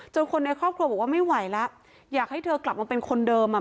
คนในครอบครัวบอกว่าไม่ไหวแล้วอยากให้เธอกลับมาเป็นคนเดิมอ่ะ